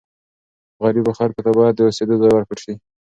غریبو خلکو ته باید د اوسېدو ځای ورکړل سي.